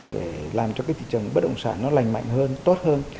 để làm cho cái thị trường bất động sản nó lành mạnh hơn tốt hơn